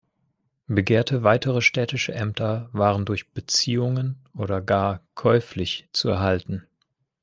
Begehrte weitere städtische Ämter waren durch „Beziehungen“ oder gar käuflich zu erhalten.